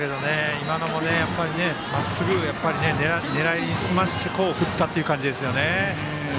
今のもまっすぐ狙いすまして振ったという感じですよね。